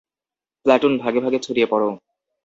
Platoon, ভাগে ভাগে ছড়িয়ে পড়ো!